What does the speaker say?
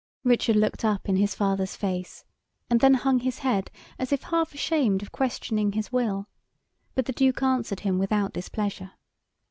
Richard looked up in his father's face, and then hung his head, as if half ashamed of questioning his will, but the Duke answered him without displeasure.